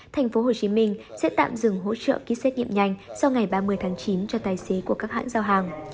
tp hcm sẽ tạm dừng hỗ trợ ký xét nghiệm nhanh sau ngày ba mươi tháng chín cho tài xế của các hãng giao hàng